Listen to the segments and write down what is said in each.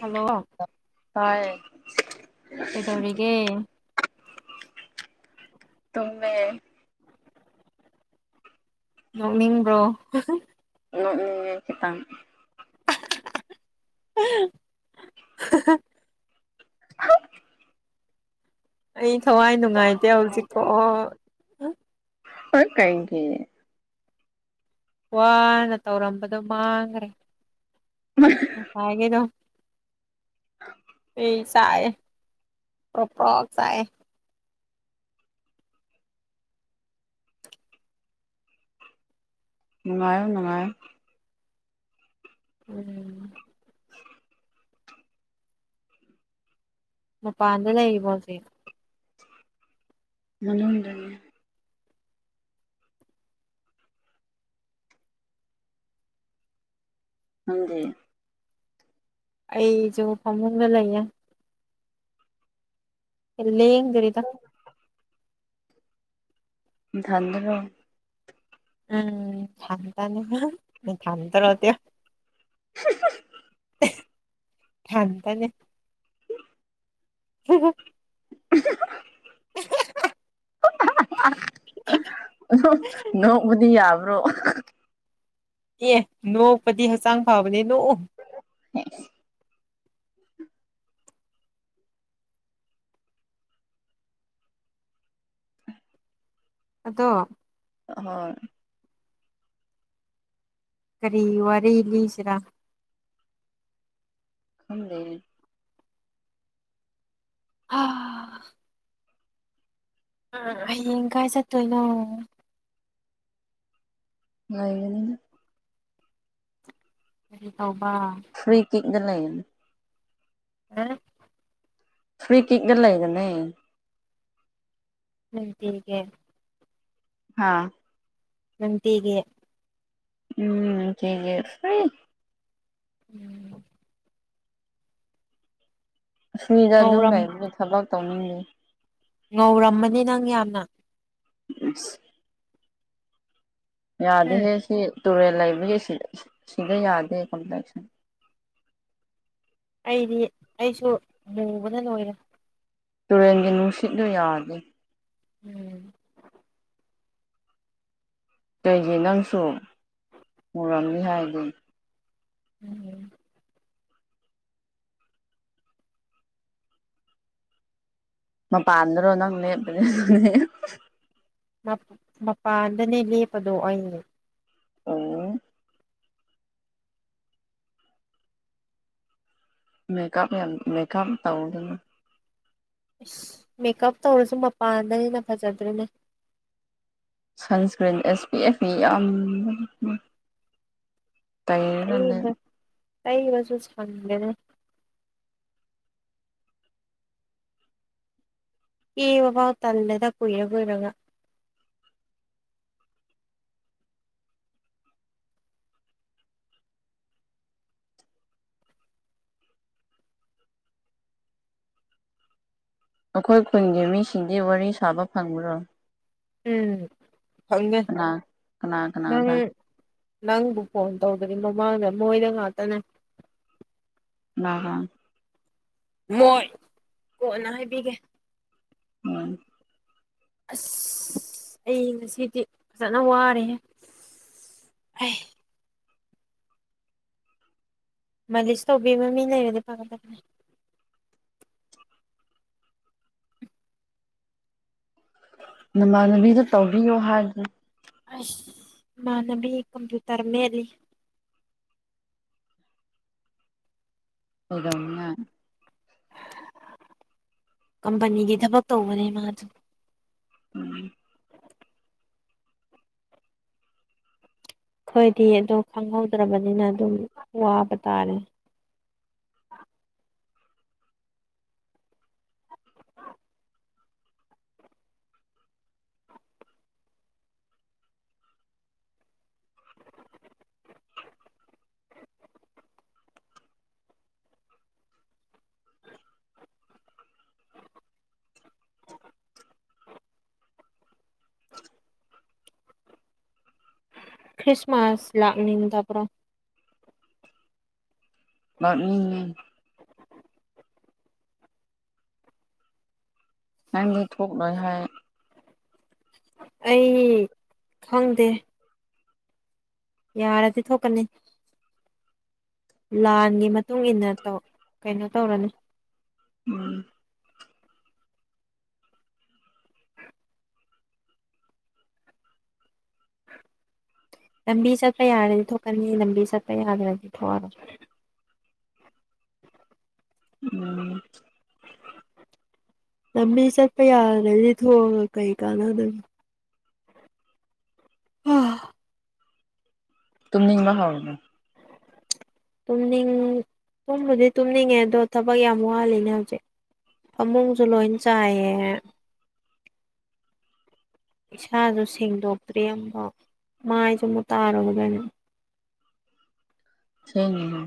Hello ꯇꯥꯏ ꯀꯩꯗꯧꯔꯤꯒꯦ [unintelligible] ꯇꯨꯃꯦ ꯅꯣꯛꯅꯤꯡꯕ꯭ꯔꯣ ꯅꯣꯛꯅꯤꯉꯦ ꯈꯤꯇꯡ ꯑ [unintelligible] [inaudible] ꯑꯩ ꯊꯋꯥꯏ ꯅꯨꯡꯉꯥꯏꯇꯦ ꯍꯧꯖꯤꯛꯀꯣ ꯍ ꯀꯥꯏꯒꯤꯦ ꯋꯥꯅ ꯇꯧꯔꯝꯕꯗꯣ ꯃꯥꯡꯈ꯭ꯔꯦ ꯉꯁꯥꯏꯒꯤꯗꯣ ꯑ ꯆꯥꯏꯣꯄ꯭ꯔꯣ ꯆꯥꯏ ꯃꯪꯉꯥꯑꯣ ꯃꯪꯉꯥꯑꯣ ꯎꯝ ꯃꯄꯥꯟꯗ ꯂꯩꯔꯤꯕꯕꯣꯁ ꯃꯅꯟꯗꯅꯤ ꯍꯖꯤ [inaudible] ꯑꯩꯁꯨ ꯐꯃꯨꯡꯗ ꯂꯩꯌꯦ ꯂꯦꯡ ꯗꯔꯤꯗ ꯃꯊꯟꯔꯣ ꯎꯝ ꯊꯟ ꯇꯅꯤ ꯊꯇꯔꯣꯇ [inaudible] [inaudible] ꯊꯗꯅꯦ ꯍ [unintelligible] [unintelligible] ꯅꯣꯛꯕꯗꯤ ꯌꯥꯕ꯭ꯔꯣ ꯑꯦ ꯅꯣꯛꯄꯗꯤ ꯍꯛꯆꯥꯡ ꯐꯕꯅꯦ ꯅꯣꯛꯎ ꯑ [inaudible] ꯑꯗꯣ ꯍꯣ ꯀꯔꯤ ꯋꯥꯔꯤ ꯂꯤꯁꯤꯔ ꯈꯝꯂꯦ ꯑꯥ [unintelligible] ꯍꯌꯦꯡ ꯀꯥꯏ ꯆꯠꯇꯣꯏꯅꯣ ꯉꯥꯏꯅꯤꯅ [inaudible] ꯐꯕ ꯏꯗ ꯂꯩꯅꯤ ꯑ ꯐ꯭ꯔꯤ ꯀꯒ ꯂꯩꯒ ꯎꯝ ꯊꯀꯦ ꯍꯥꯥ ꯅꯇꯤꯒ ꯎꯝ ꯀꯒꯤꯁꯥꯏ ꯎꯝ ꯁꯤꯗ ꯑꯗꯨꯝ ꯉꯧꯔꯝ ꯂꯩꯕꯒꯤ ꯊꯕꯛ ꯇꯧꯅꯤꯡꯗꯦ ꯉꯧꯔꯝꯃꯅꯤ ꯅꯪ ꯌꯥꯝꯅ ꯌꯦꯁ [inaudible] ꯎꯝ ꯌꯥꯗꯦꯍꯦ ꯁꯤ ꯇꯨꯔꯦꯜ ꯂꯩꯕꯒꯤ ꯁꯤꯗ ꯌꯥꯗꯦ ꯀꯝꯄ꯭ꯂꯦꯛꯁꯟ ꯑꯩꯗꯤ ꯑꯩꯁꯨ ꯃꯨꯕꯅ ꯂꯣꯏꯔꯦ ꯇꯨꯔꯦꯟꯒꯤ ꯅꯨꯡꯁꯤꯠꯂ ꯌꯥꯗꯦ ꯎꯝ ꯀꯩꯒꯤ ꯅꯪꯁꯨ ꯃꯨꯔꯝꯃꯤ ꯍꯥꯏꯗꯤ ꯎꯝ꯫ ꯃꯄꯥꯟꯗꯔꯣ ꯅꯪ ꯂꯦꯞꯄꯅꯦ ꯑꯗꯨꯗꯤ꯫ ꯃꯄꯥꯟꯗꯅꯦ ꯂꯦꯞꯄꯗꯣ ꯑꯩ꯫ ꯑꯣ꯫ ꯃꯦꯀꯞ ꯌꯥꯝ ꯃꯦꯀꯥꯞ ꯇꯧꯗꯅ꯫ ꯏꯁꯁ ꯃꯦꯀꯞ ꯇꯧꯔꯁꯨ ꯃꯄꯥꯟꯗꯅꯤꯅ ꯐꯖꯕꯅꯤꯅꯦ꯫ ꯁꯟꯁꯀ꯭ꯔꯤꯟ ꯑꯦꯁ ꯄꯤ ꯑꯦꯐ ꯌꯥꯝꯕ꯫ ꯇꯩꯔꯒꯅꯦ꯫ ꯇꯩꯕ ꯇꯩꯕꯁꯨ ꯁꯪꯗꯔꯦꯅꯦ꯫ ꯀꯦꯕ ꯕꯥꯎ ꯇꯥꯟꯂꯦꯗ ꯀꯨꯏꯔ ꯀꯨꯏꯔꯒ꯫ ꯑꯩꯈꯣꯏ ꯈꯨꯟꯒꯤ ꯃꯤꯁꯤꯡꯗꯤ ꯋꯥꯔꯤ ꯁꯥꯕ ꯐꯪꯕ꯭ꯔꯣ꯫ ꯎꯝ ꯐꯪꯉꯦ ꯀꯅꯥ ꯀꯅꯥ ꯅꯪ꯫ ꯀꯅꯥꯗ ꯅꯪꯕꯨ ꯐꯣꯟ ꯇꯧꯗꯅꯤ ꯃꯃꯥꯡꯗ ꯃꯣꯏꯗ ꯉꯥꯛꯇꯅꯦ꯫ ꯀꯥꯅꯅ꯫ ꯃꯣꯏ ꯀꯣꯅ ꯍꯥꯏꯕꯤꯒꯦ꯫ ꯎꯝ ꯑꯁ ꯑꯩ ꯉꯁꯤꯗꯤ ꯐꯖꯅ ꯋꯥꯔꯦꯍꯦ꯫꯫ [unintelligible] ꯃꯥꯂꯤꯁ ꯇꯧꯕꯤꯕ ꯃꯤ ꯂꯩꯔꯗꯤ ꯐꯒꯗꯅꯤ꯫ ꯅꯃꯥꯟꯅꯕꯤꯗ ꯇꯧꯕꯤꯌꯣ ꯍꯥꯏꯒꯦ꯫ ꯑꯁ ꯏꯃꯥꯟꯅꯕꯤ ꯀꯝꯄꯨꯏꯇꯔ ꯃꯦꯠꯂꯤ꯫ ꯀꯩꯗꯧꯅꯤꯡꯉꯥꯏ꯫ ꯀꯝꯄꯦꯅꯤꯒꯤ ꯊꯕꯛ ꯇꯧꯕꯅꯦ ꯃꯥꯗꯤ꯫ ꯎꯝ꯫ ꯑꯩꯈꯣꯏꯗꯤ ꯑꯗꯨ ꯈꯪꯍꯧꯗ꯭ꯔꯕꯅꯤꯅ ꯑꯗꯨꯝ ꯋꯥꯕ ꯇꯥꯔꯦ꯫ [inaudible] ꯈ꯭ꯔꯤꯁꯃꯥꯁ ꯂꯥꯛꯅꯤꯕ ꯇꯄꯔꯣ꯫ ꯃꯥ ꯎꯝ꯫ ꯅꯪꯗꯤ ꯊꯣꯛ ꯂꯣꯏ ꯍꯥꯏ꯫ ꯑꯩ ꯈꯪꯗꯦ꯫ ꯌꯥꯔꯗꯤ ꯊꯣꯛꯀꯅꯤ꯫ ꯂꯥꯟꯒꯤ ꯃꯇꯨꯡ ꯏꯟꯅ ꯇꯧ ꯀꯩꯅꯣ ꯇꯧꯔꯅꯤ꯫ ꯎꯝ꯫ ꯂꯝꯕꯤ ꯆꯠꯄ ꯌꯥꯔꯗꯤ ꯊꯣꯛꯀꯅꯤ ꯂꯝꯕꯤ ꯆꯠꯄ ꯌꯥꯗ꯭ꯔꯗꯤ ꯊꯣꯛꯑꯔꯣꯏ꯫ ꯎꯝ꯫ ꯂꯝꯕꯤ ꯆꯠꯄ ꯌꯥꯗꯔꯗꯤ ꯊꯣꯛꯑꯒ ꯀꯩ ꯀꯥꯟꯅꯗꯨꯝ꯫ [unintelligible] ꯇꯨꯝꯅꯤꯡꯕ ꯍꯧꯔꯕꯣ꯫ ꯇꯨꯝꯅꯤꯡ ꯇꯨꯝꯕꯨꯗꯤ ꯇꯨꯝꯅꯤꯡꯉꯦ ꯑꯗꯣ ꯊꯕꯛ ꯌꯥꯝ ꯋꯥꯜꯂꯤꯅꯦ ꯍꯧꯖꯤꯛ꫰ ꯐꯃꯨꯡꯁꯨ ꯂꯣꯏ ꯆꯥꯏꯌꯦ꯫ ꯏꯁꯥꯁꯨ ꯁꯦꯡꯗꯣꯛꯇ꯭ꯔꯤ ꯑꯃꯐꯥꯎ ꯃꯥꯏꯁꯨ ꯑꯃꯨꯛ ꯇꯥꯔꯨꯒꯤꯗꯣꯏꯅꯤ꯫ ꯊꯦꯡꯉꯦꯍꯦ꯫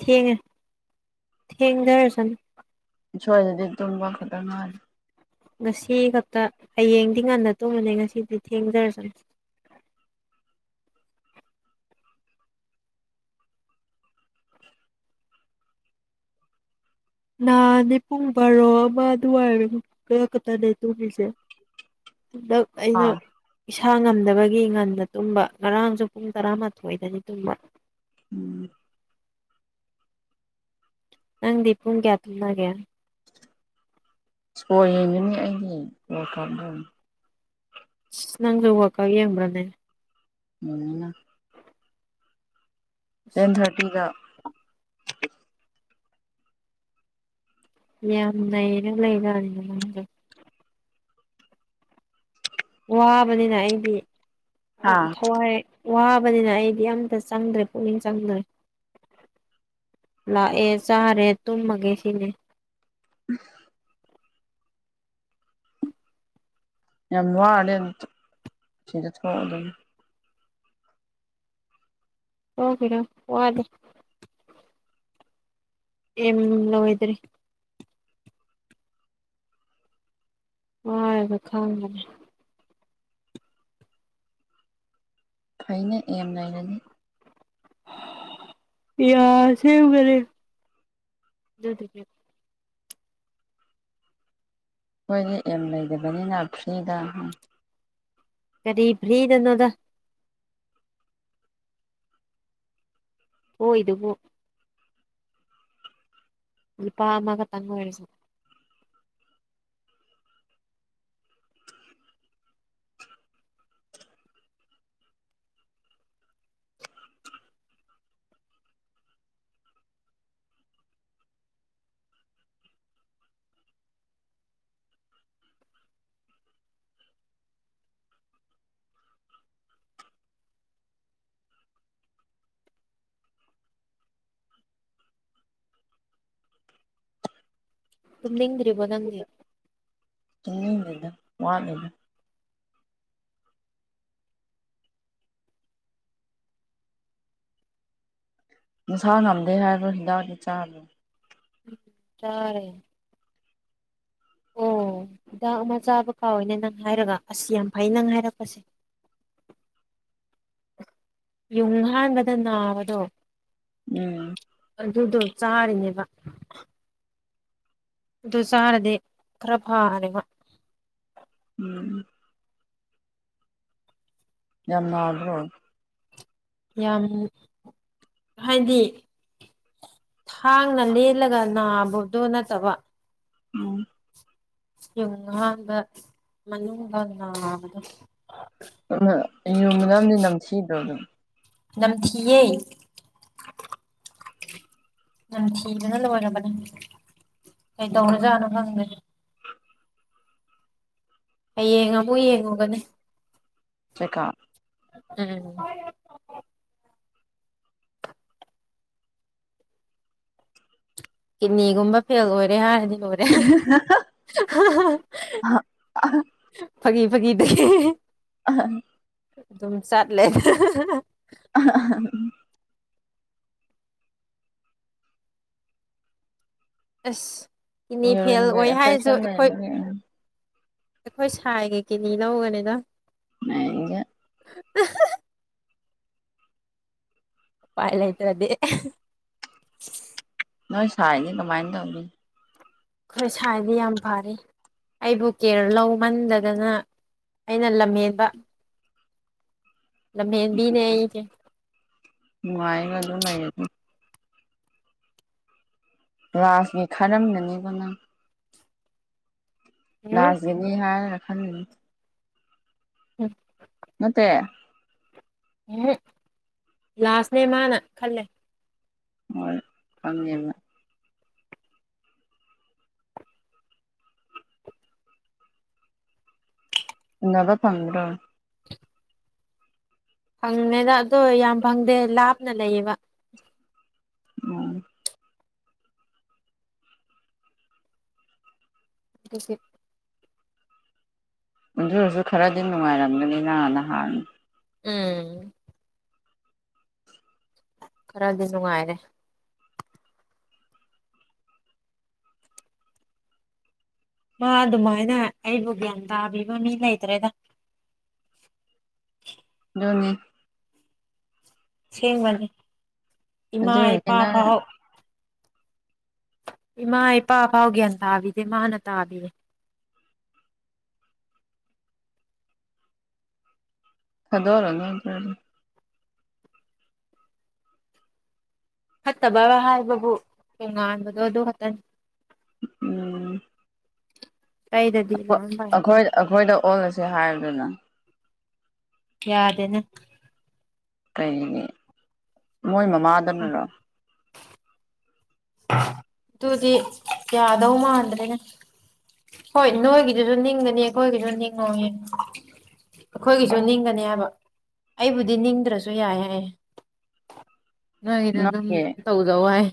ꯊꯦꯡꯉꯦ ꯊꯦꯡꯖꯔꯁꯅꯨ꯫ ꯁꯣꯏꯗꯗꯤ ꯇꯨꯝꯕ ꯈꯛꯇꯪ ꯉꯥꯏꯔꯦ꯫ ꯉꯁꯤ ꯈꯛꯇ ꯍꯌꯦꯡꯗꯤ ꯉꯟꯅ ꯇꯨꯝꯃꯅꯤ ꯉꯁꯤꯗꯤ ꯊꯦꯡꯖꯔꯁꯅꯨ ꯅꯍꯥꯟ ꯅꯤ ꯄꯨꯡ ꯕꯥꯔꯣ ꯑꯃ ꯑꯗꯨꯋꯥꯏ ꯈꯛꯇꯅꯦ ꯇꯨꯔꯤꯁꯦ꯫ ꯍꯟꯗꯛ ꯑꯩꯅ ꯑꯥ ꯏꯁꯥ ꯏꯁꯥ ꯉꯝꯗꯕꯒꯤ ꯉꯟꯗ ꯇꯨꯝꯕ ꯉꯔꯥꯡꯁꯨ ꯄꯨꯡ ꯇꯔꯥꯃꯥꯊꯣꯏꯗꯗꯤ ꯇꯨꯝꯕ꯫ ꯎꯝ ꯅꯪꯗꯤꯄꯨꯝ ꯀꯌꯥꯇ ꯂꯒꯦ ꯏꯁꯄꯣꯔ ꯌꯦꯡꯉꯅꯤ ꯑꯩꯒꯤ ꯀꯥꯞꯗ ꯅꯪꯖ ꯋꯥꯀ ꯌꯦꯡꯕ꯭ꯔꯥꯅꯦ ꯎꯝ ꯇꯦꯟ ꯊꯥꯔꯇꯤꯗ ꯌꯥꯝ ꯂꯩꯔ ꯂꯩꯔꯅꯤꯅꯦꯗ ꯋꯥꯕꯅꯤꯅ ꯑꯩꯗꯤ ꯍꯥ ꯊꯋꯥꯏ ꯋꯥꯕꯅꯤꯅ ꯑꯩꯗꯤ ꯑꯝꯇ ꯆꯪꯗ꯭ꯔꯦ ꯄꯨꯛꯅꯤꯡ ꯆꯪꯗ꯭ꯔꯦ ꯂꯥꯛꯑꯦ ꯆꯥꯔꯦ ꯇꯨꯝꯃꯒꯦ ꯁꯤꯅꯦ ꯎꯝ ꯌꯥꯝꯃ ꯑ ꯑꯗꯨ ꯑꯗꯨꯝ ꯍ ꯀꯅꯣ ꯋꯥꯗ ꯑ ꯂꯋꯣꯏꯗꯔꯤ ꯑꯕ ꯈꯥꯡꯒꯅꯦ ꯐꯩꯅ ꯌꯦꯦꯝ ꯂꯩꯥꯏꯅꯅꯤ ꯌꯥ ꯌꯥ ꯁꯦꯕ ꯀꯔꯦ ꯑꯩꯈꯣꯏꯒꯤ ꯑꯦꯝ ꯂꯩꯇꯕꯅꯤꯅ ꯐ꯭ꯔꯤꯗ ꯀꯔꯤꯕ꯭ꯔꯔꯤꯗꯅꯣꯗ ꯍꯣ ꯏꯗꯨ ꯍꯣ ꯂꯄꯥꯃꯒ ꯇꯪ ꯑꯣꯏꯔꯁ ꯑꯗꯨꯝ ꯅꯤꯡꯗ꯭ꯔꯤꯔꯤꯕꯣ ꯅꯪꯗꯤ ꯆ ꯂꯤ ꯋꯥꯠꯂ ꯁꯥ ꯉꯝꯗꯦ ꯍꯥꯏꯕꯣ ꯍꯤꯗꯥꯛꯗꯤ ꯆꯥꯕ ꯇꯔꯦ ꯑꯣꯤꯗꯥꯛ ꯑꯃ ꯆꯥꯕ ꯀꯥꯎꯋꯦꯅꯦ ꯅꯪ ꯍꯥꯏꯔꯒ ꯑꯁ ꯌꯥꯝ ꯐꯩ ꯅꯪ ꯍꯥꯏꯔꯛꯄꯁꯦ ꯌꯨꯝꯍꯥꯟꯕꯗ ꯅꯥꯕꯗꯣ ꯎꯝ ꯑꯗꯨꯗꯣ ꯆꯥꯔꯤꯅꯦꯕ ꯗꯨꯁꯔꯗ ꯀ꯭ꯔꯚꯥꯅꯤꯒ ꯎꯝ ꯌꯥꯝꯃ꯭ꯔꯣ ꯌꯥꯝ ꯍꯥꯏꯗꯤ ꯊꯥꯡꯅ ꯂꯦꯜꯂꯒ ꯅꯥꯕꯗꯣ ꯅꯠꯇꯕ ꯎꯝ ꯌꯨꯝ ꯑꯍꯥꯟꯕ ꯃꯅꯨꯡꯗ ꯅꯥꯕꯗꯣ ꯌꯨꯝ ꯃꯅꯥꯝꯅ ꯅꯝꯊꯤꯕ꯭ꯔꯣ ꯑꯗꯨꯝ ꯅꯝꯊꯤꯑꯦ ꯅꯪ ꯊꯤꯗꯅ ꯂꯣꯏꯔꯕꯅꯦ ꯀꯩꯗꯧꯅꯖꯅ ꯐꯪꯗꯅꯤꯦ ꯍꯌꯦꯡ ꯑꯃ ꯑꯃꯨ ꯌꯦꯡꯉꯨꯒꯅꯤ ꯆꯀꯥ ꯎꯝ ꯀꯤꯗꯅꯤꯒꯨꯝꯕ ꯐꯦꯜ ꯑꯣꯏꯔꯦ ꯍꯥꯏꯔꯗꯤ ꯔꯦ ꯐꯛ ꯐꯒꯤꯗ ꯑ ꯑꯗꯨꯝ ꯁꯥꯠꯂꯦ ꯑ ꯑꯁ ꯏꯅꯤ ꯐꯦꯜ ꯌꯨꯔꯤꯟꯒꯤ ꯑꯣꯏ ꯍꯥꯏꯔꯁꯨ ꯑꯦꯐꯦꯛꯁꯟ ꯑꯩꯈꯣꯏ ꯂꯩꯕꯒꯤ ꯎꯝ ꯑꯩꯈꯣꯏ ꯁꯥꯏꯒ ꯀꯦꯅꯤ ꯂꯧꯒꯅꯤꯅ ꯏꯒ [unintelligible] [inaudible] ꯎꯄꯥꯏ ꯂꯥꯏꯇꯔꯗ ꯅꯣꯏ ꯁꯥꯏꯗꯤ ꯀꯃꯥꯏꯅ ꯇꯧꯔꯤ ꯑꯩꯈꯣꯏ ꯁꯥꯢꯗꯤ ꯌꯥꯝ ꯐꯔꯤ ꯑꯩꯕꯨ ꯀꯦꯔ ꯂꯧꯃꯟꯗꯗꯅ ꯑꯩꯅ ꯂꯝꯍꯦꯟꯕ ꯂꯝꯍꯦꯟꯕꯤꯅꯦ ꯑꯩꯗ ꯅꯨꯡꯉꯥꯏꯔꯒ ꯑꯗꯨꯝ ꯂꯩꯔꯗꯤ ꯂꯥꯁꯀꯤ ꯈꯔꯝꯅꯅꯤꯕ ꯅꯪ [unintelligible] ꯎꯝ ꯅꯔꯖ ꯍꯥꯏ [unintelligible] ꯎꯝ ꯅꯠꯇꯦ ꯎꯝ ꯂꯥꯁꯅꯦ ꯃꯥꯅ ꯈꯜꯂꯦ ꯃꯣꯏ ꯄꯪꯉꯦꯕ ꯅꯕ ꯄꯝꯔꯣ [unintelligible] ꯐꯪꯅꯦꯗ ꯑꯗꯨꯣ ꯌꯥꯝ ꯐꯪꯗꯦ ꯂꯥꯞꯅ ꯂꯩꯌꯦꯕ ꯑꯣ ꯑꯗꯨꯁꯨ ꯑꯗꯨ ꯑꯣꯢꯔꯁꯨ ꯈꯔꯗꯤ ꯅꯨꯡꯉꯥꯏꯔꯝꯒꯅꯤ ꯅ ꯅꯍꯥꯟ ꯎꯝ ꯈꯔꯗꯤ ꯅꯨꯡꯉꯥꯏꯔꯦ ꯃꯥ ꯑꯗꯨꯃꯥꯏꯅ ꯑꯩꯕꯨ ꯒ꯭ꯌꯥꯟ ꯇꯥꯕꯤꯕ ꯃꯤ ꯂꯩꯇ꯭ꯔꯦꯗ [inaudible] ꯌꯅꯤ [unintelligible] ꯁꯦꯡꯕꯅꯤ ꯏꯃꯥ ꯑꯗꯨꯏꯅꯦ ꯏꯄꯥ ꯅꯪ ꯐꯥꯎ ꯏꯃꯥ ꯏꯄꯥ ꯐꯥꯎ ꯒ꯭ꯌꯥꯟ ꯇꯥꯕꯤꯗꯦ ꯃꯥꯅ ꯇꯥꯕꯤꯔꯦ ꯑꯗꯣ ꯑꯣꯏꯔ ꯅ ꯇ꯭ꯔ [unintelligible] ꯐꯠꯇꯕ ꯍꯥꯏꯕꯕꯨꯉꯥꯟꯕꯗꯣ ꯑꯗꯨ ꯈꯛꯇꯅꯤ ꯎꯝ ꯑꯇꯩꯗꯗꯤ ꯂꯣꯏ ꯐꯩ ꯑꯩꯈꯣꯏ ꯑꯩꯈꯣꯏꯗ ꯑꯣꯜꯂꯁꯦ ꯍꯥꯏꯌꯨꯗꯅ ꯌꯥꯗꯦꯅ ꯀꯩꯒꯤ ꯃꯣꯏ ꯃꯃꯥꯗꯪ ꯅꯔꯣ ꯑꯗꯨꯗꯤ ꯌꯥꯗꯧ ꯃꯥꯟꯗ꯭ꯔꯦꯅꯦ ꯍꯣꯏ ꯅꯣꯏꯒꯤꯗꯨꯁꯨ ꯅꯤꯡꯒꯅꯤ ꯑꯩꯈꯣꯏꯒꯤꯁꯨ ꯅꯤꯡꯉꯣ ꯌꯦ ꯑꯩꯈꯣꯏꯒꯤꯁꯨ ꯅꯤꯡꯒꯅꯤ ꯍꯥꯏꯕ ꯑꯩꯕꯨꯗꯤ ꯅꯤꯡꯗ꯭ꯔꯁꯨ ꯌꯥꯏ ꯍꯥꯏ ꯅꯣꯏꯒꯤꯗꯣ ꯑꯗꯨꯝ ꯅꯪꯒꯤ ꯇꯧꯖꯧ ꯍꯥꯏ